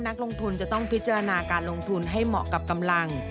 นักลงทุนจะต้องพิจารณาการลงทุนให้เหมาะกับกำลัง